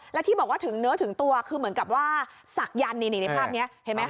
และที่บอกว่าถึงเนื้อถึงตัวคือเหมือนกับว่าศักยรภ์ในภาพนี้